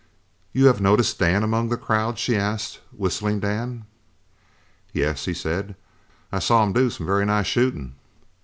"You have noticed Dan among the crowd?" she asked, "Whistling Dan?" "Yes," he said, "I saw him do some very nice shooting."